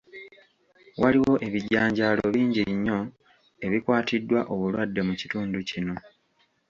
Waliwo ebijanjaalo bingi nnyo ebikwatiddwa obulwadde mu kitundu kino.